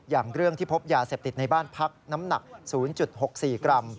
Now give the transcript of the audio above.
อย่างเรื่องที่พบยาเสพติดในบ้านพักน้ำหนัก๐๖๔กรัม